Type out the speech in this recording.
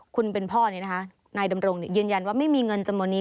คุณเป็นพ่อนี้นะคะนายดำรงยืนยันว่าไม่มีเงินจำนวนนี้